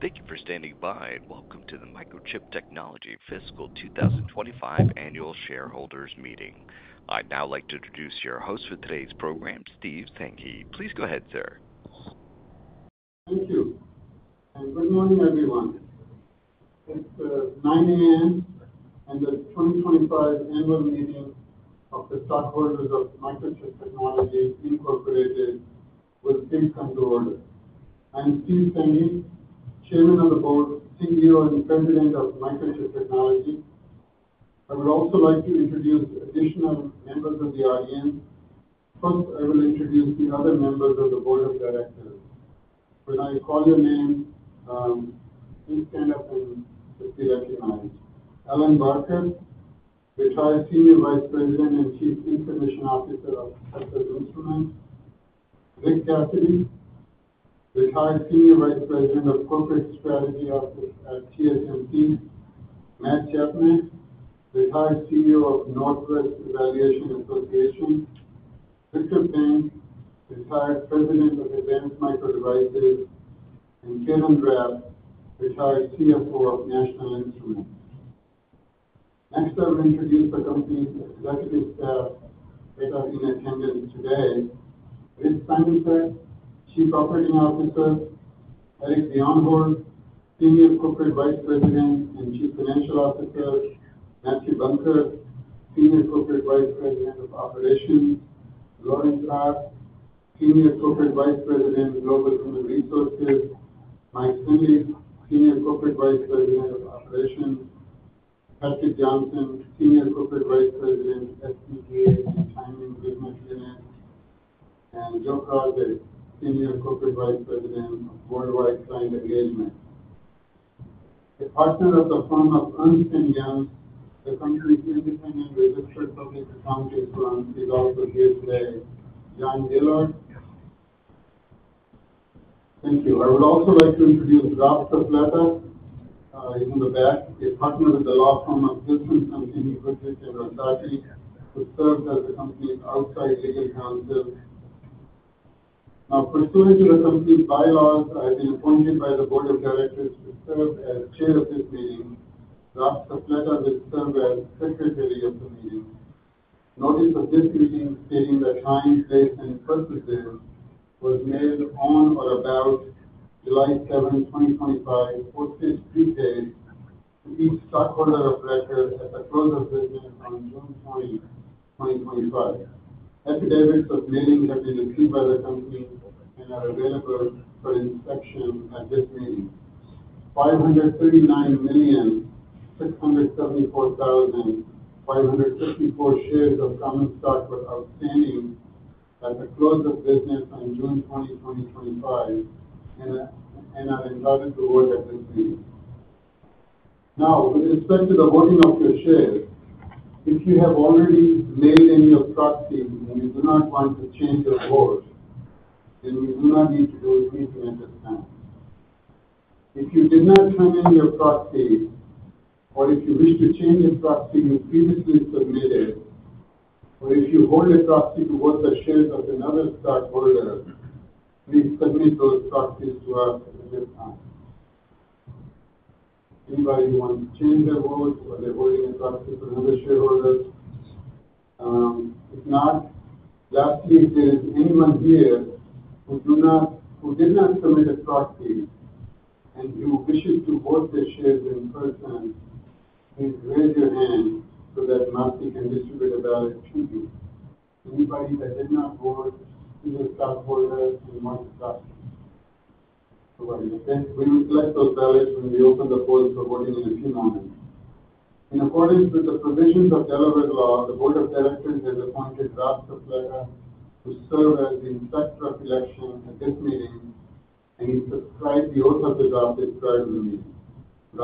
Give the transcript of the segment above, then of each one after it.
Thank you for standing by and welcome to the Microchip Technology Fiscal 2025 Annual Shareholders Meeting. I'd now like to introduce your host for today's program, Steve Sanghi. Please go ahead, sir. Thank you. Good morning, everyone. At 9:00 A.M., I got plenty of quick fire members meeting for the first quarter of the Microchip Technology Incorporated for the Finish Control. I'm Steve Sanghi, Chairman of the Board, CEO, and the President of Microchip Technology. I would also like to introduce additional members of the REM. First, I will introduce the other members of the Board of Directors. When I call your names, please stand up and be recognized. Alan Barker, the High Senior Vice President and Chief Information Officer of the Consultation Line. Rick D'Arcidi, the High Senior Vice President of Corporate Strategy Office at TSMC. Matt Chapman, the High Senior of Northwest Evaluation Association. Richard Lane, the Highest Service of the Advanced Micro Devices. And Shannan Brown, the Highest CFO of National Instruments. Next, I'll introduce the Finance Rep, Chief Operating Officer Eric Bjornholt, Senior Corporate Vice President and Chief Financial Officer. Matthew Bunker, Senior Corporate Vice President of Operations. Lauren Carr, Senior Corporate Vice President of Global Human Resources. Mike Finley, Senior Corporate Vice President of Operations. Patrick Johnson, Senior Corporate Vice President, STG Climate Improvement Agreement. And John Carter, Senior Corporate Vice President of Worldwide Climate Agreement. A partner at the firm of Ernst & Young, the company is independently registered public accounting firm developed with his name, Young Nero. Thank you. I would also like to introduce Ralph Saplata, who is a partner with the law firm of Whitfield & Dottry, who serves as the VP of Outside Legal Counsel. Pursuant to the subject laws, I've been appointed by the Board of Directors to serve as Chair of the team. Ralph Saplata will serve as Secretary of the meeting. Noting for this meeting, stating that I say the first decision was made on or about July 7, 2025, for six weekdays, to each stockholder of record at the close of the year on June 20, 2025. Epidemics of lending have been achieved by the company, and are available for inspection at this meeting. 539,674,554 shares of common stock were obtained at the close of business on June 20, 2025, and are invited to vote at this meeting. Now, with respect to the voting of your shares, if you have already made any of the proxies and you do not want to change your vote, then you do not need to do it this way. If you did not have any of the proxies, or if you wish to change your proxy, you please submit it. If you hold a proxy to vote the shares of another stockholder, you submit those proxies to us. Anybody who wants to change their votes or vote against proxies for another shareholder, if not, that indicates anyone here who did not submit a proxy and wishes to vote the shares for the first time has made their vote so that Mathew can issue it. We invite any other stockholder who wants a proxy. We would like to acknowledge when we open the floor for voting on this meeting. In accordance with the provisions of the relevant law, the Board of Directors has appointed Ralph Sapplata to serve as the Inspector of Election at this meeting, and he is the presiding owner of the office presidency. A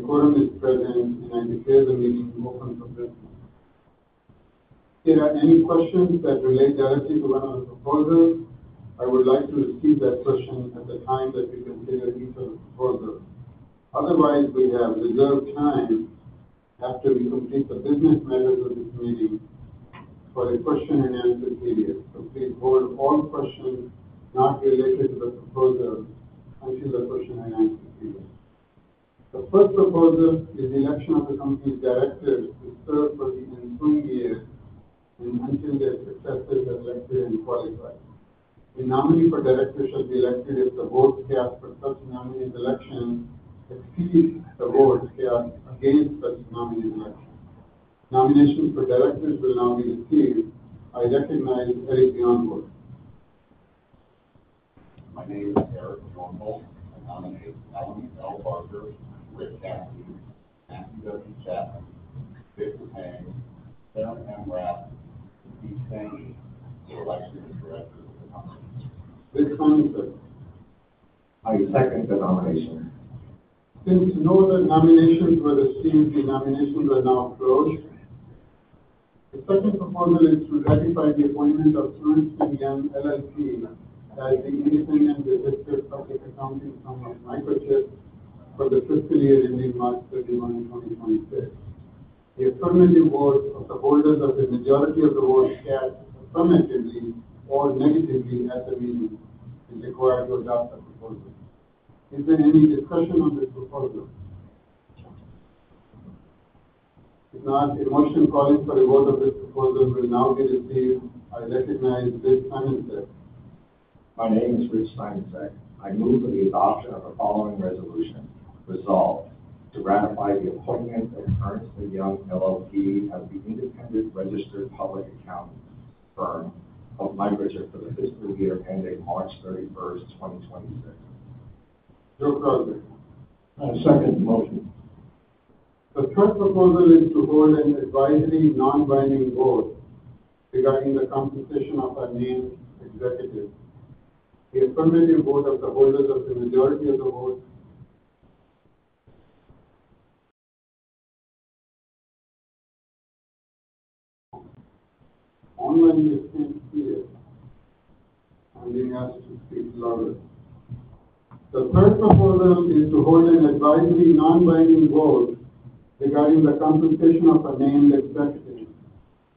quorum is present when you say the meeting will open the floor. If there are any questions that relate directly to the holders, I would like to receive that question at the time that we complete the deeper quorum. Otherwise, we have reserved time after we complete the business matters of this meeting for a question and answer period. Please hold all questions not related to the proposal until the question and answer period. The first proposal is the election of the company's directors to serve for the next two years when we can get the best person elected and qualified. A nominee for directors will be elected if the board has put such a nominee selection that sees the board staff against such a nominee selection. Nominations for directors will now be issued. I recognize Eric Bjornholt. For most accounting groups, only those are jurisdictionally challenged and very challenged to sit and tell them what to be saying. Since no other nominations were received, the nominations are now closed. The second proposal is to ratify the appointment of Ernst & Young LLP as the independent registered public accounting firm for the fiscal year. The affirmative vote of the majority of the shares present at the meeting is required to adopt the proposal. Is there any discussion of this proposal? If not, a motion calling for a vote of this proposal will now be received. I recognize this unanswered. My name is Rich Simon. I move to the above the following resolution, resolved to ratify the appointment of Ernst & Young LLP as the independent registered public accounting firm of Microchip for the fiscal year ending March 31, 2026. No problem. I second the motion. The third proposal is to hold an advisory non-binding board conducting the competition of a new executive. The accompanying board of the board members of the majority of the board. How many seats here? I didn't ask you to seat a lot of it. The third proposal is to hold an advisory non-binding board regarding the competition of a new executive.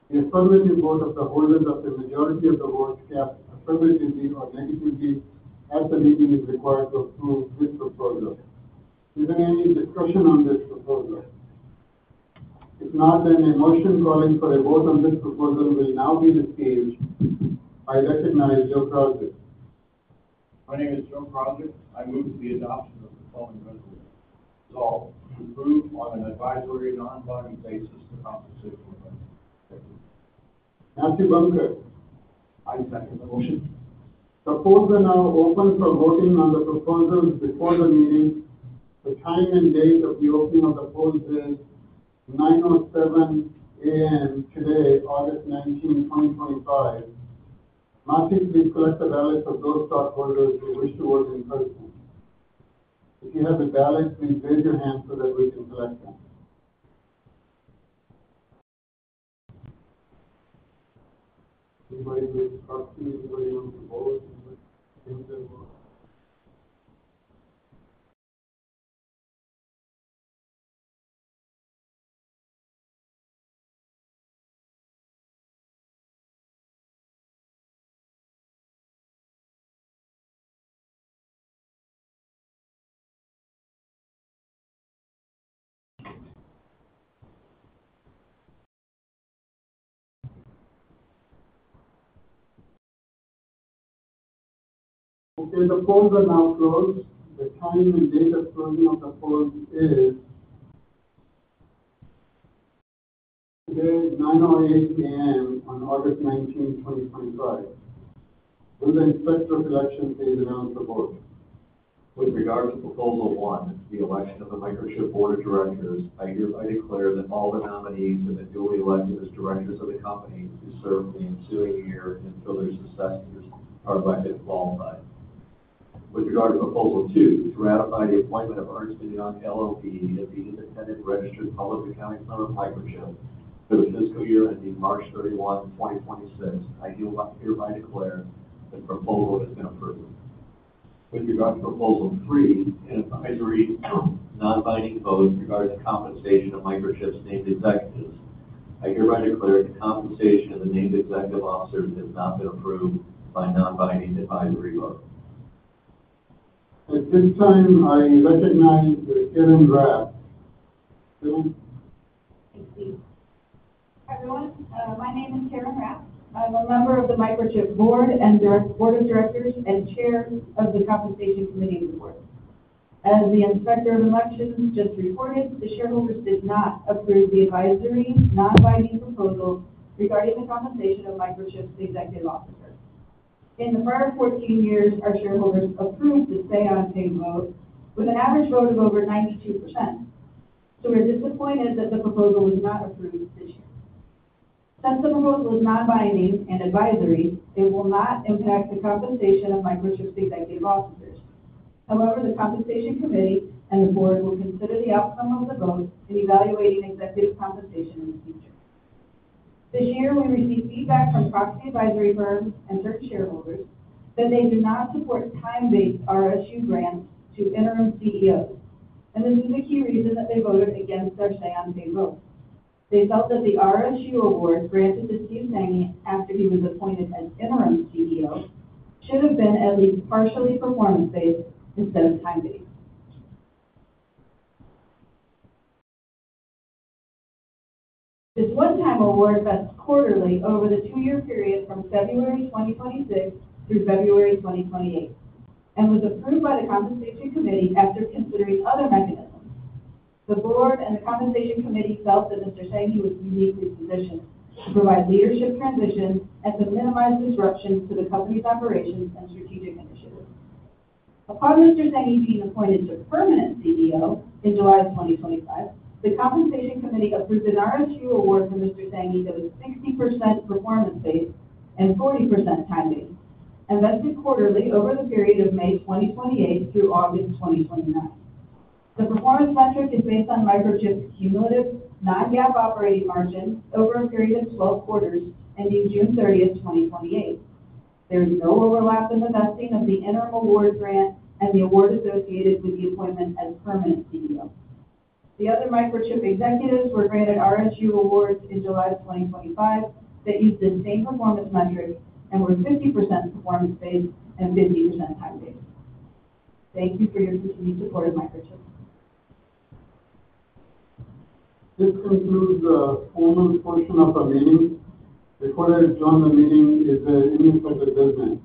The accompanying board of the board members of the majority of the board staff approving the deed or reading the deed as the meeting is required to approve this proposal. Is there any discussion on this proposal? If not, then a motion calling for a vote on this proposal will now be received. I recognize Joseph Krawczyk. My name is Joseph Krawczyk. I move to the adoption of the following resolution. We move on an advisory non-binding basis without. The floor is now open for voting on the proposal before the meeting. The time and date of the opening of the floor is 9:07 A.M. today, August 19, 2025. Mathew, please collect the ballots of those stockholders to which you want to invest. If you have a ballot, please raise your hand so that we can collect them. Anybody wants to vote? If there's a vote. The floor is now closed. The time, the date of closing of the floor is 9:08 A.M. on August 19, 2025. Moving to the first of the election phase announced above. With regards to proposal one, the election of the Microchip board of directors, I declare that all the nominees are duly elected as directors of the company who serve the ensuing year in the affiliation setting are elected to the ballpark. With regards to proposal two, to ratify the appointment of Ernst & Young LLP as the independent registered public accounting firm of Microchip for the fiscal year ending March 31, 2026, I hereby declare proposal accepted. With regards to proposal three, advisory non-binding votes regarding the compensation of Microchip's named executives, I hereby declare the compensation of the named executive officers has not been approved by non-binding advisory votes. At this time, I recognize Karen Rapp. Excuse me. Everyone, my name is Karen Rapp. I'm a member of the Microchip Technology Board of Directors and Chair of the Compensation Committee. As the inspector of Microchip Technology just reported, the shareholders did not approve the advisory non-binding proposal regarding the compensation of Microchip Technology's executive officers. In the prior 14 years, our shareholders approved the say-on-pay vote with an average vote of over 92%. We're disappointed that the proposal was not approved this year. As some of us were non-binding and advisory, it will not impact the compensation of Microchip Technology's executive officers. However, the Compensation Committee and the Board will consider the outcome of the vote in evaluating executive compensation in the future. This year, we received feedback from proxy advisory firms and certain shareholders that they do not support time-based RSU grants to interim CEOs. This is the key reason that they voted against such say-on-pay votes. They felt that the RSU awards granted to Steve Sanghi after he was appointed as interim CEO should have been at least partially performance-based instead of time-based. This one-time award was quarterly over the two-year period from February 2026 through February 2028 and was approved by the Compensation Committee after considering other mechanisms. The Board and the Compensation Committee felt that Mr. Sanghi was in a unique position to provide leadership transition and to minimize disruption to the company's operations and strategic initiatives. Upon Mr. Sanghi being appointed to permanent CEO in July 2025, the Compensation Committee approved an RSU award for Mr. Sanghi that was 60% performance-based and 40% time-based. That's been quarterly over the period of May 2028 through August 2029. The performance metric is based on Microchip Technology's cumulative non-GAAP operating margin over a period of 12 quarters ending June 30, 2028. There's no overlap in the vesting of the interim award grant and the award associated with the appointment as permanent CEO. The other Microchip Technology executives were granted RSU awards in July 2025 that used the same performance metrics and were 50% performance-based and 50% time-based. Thank you for your continued support of Microchip Technology. Let's continue with the women's portion of the meeting. The corner is John, the meeting is in the administrative setting.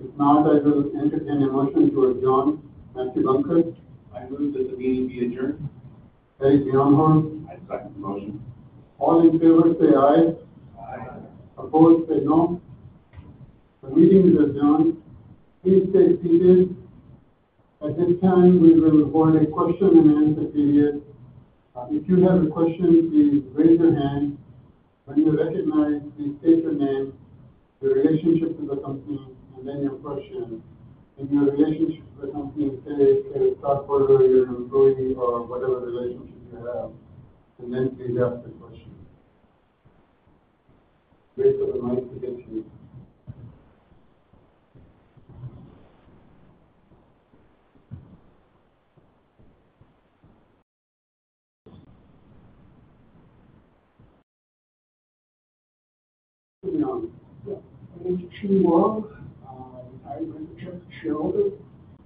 If not, I'd like to look at it and make a motion to adjourn. I see Matthew Bunker. I move that the meeting be adjourned. Eric Bjornholt. I'd like to motion. All in favor say aye. Opposed say no. The meeting is adjourned. Please stay seated. At this time, we will run a question and answer period. If you have a question, please raise your hand. When you are recognized, please state your name, your relationship to the company, and then your question. Your relationship to the company includes any stockholder or your employee or whatever relationship you have. Please ask the question. Next up, I'd like to... It's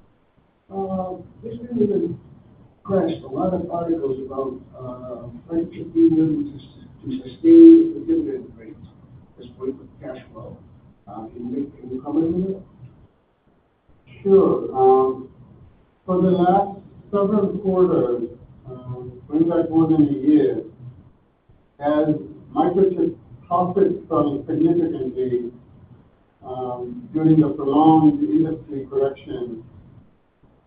Sue Wong. I was a tech developer. This meeting is classed for 11 articles about education in the coming year? Sure. For the last several quarters, maybe four years a year, I think it's costed some significantly during the prolonged USD collection.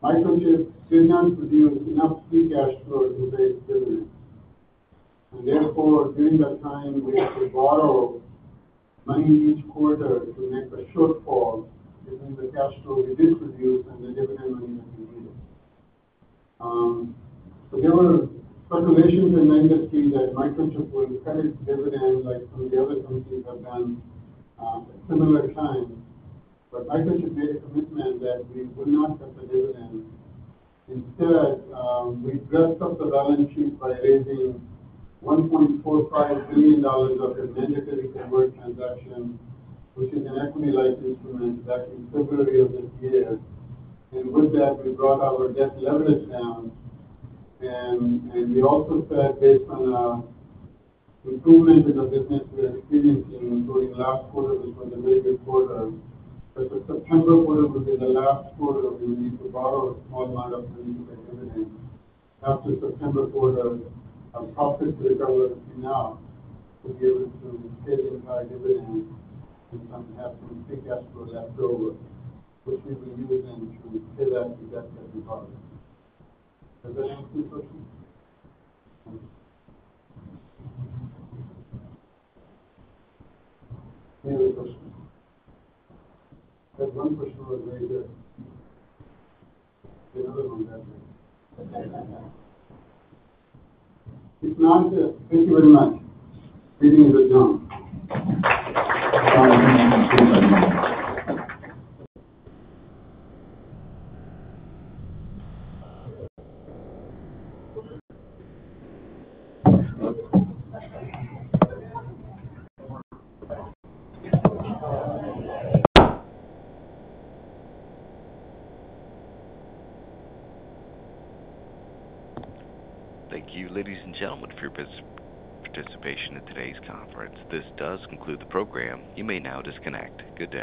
I think it's easier to have free cash flow in the base. Therefore, during that time, we have to borrow money each quarter for a shortfall. The cash flow will be produced and the dividend will be made. There are speculations in my industry that Microchip Technology will set its dividend like some devil companies have done similar times. I think it's very committed that we will not set the dividend. Instead, we've built up the balance sheet by raising $1.45 million of the administrative transaction, which is an equity license for the February of this year. With that, we brought our debt leverage down. We also said based on our recruiting and the business we are experiencing during the last quarter and for the later quarter, the September quarter would be the last quarter where we need to borrow a small amount of the activity. After September quarter, our profits will be over enough to be able to pay the entire dividend. We can have to take cash flow that will grow with. We'll see if we can use them to pay that debt better. That one question was very good. Thank you very much. Meeting is adjourned. Thank you, ladies and gentlemen, for your participation in today's conference. This does conclude the program. You may now disconnect. Good day.